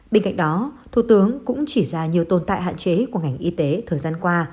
bên cạnh đó thủ tướng cũng chỉ ra nhiều tồn tại hạn chế của ngành y tế thời gian qua